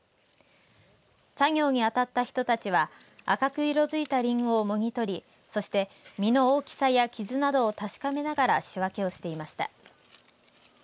作業に当たった人たちは赤く色づいたリンゴをもぎ取りそして実の大きさや傷などを確かめながら仕分けをしていました。